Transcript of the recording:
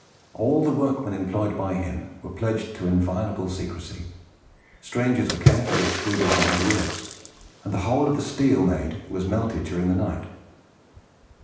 All the workmen employed by him were pledged to inviolable secrecy; strangers were carefully excluded from the works; and the whole of the steel made was melted during the night.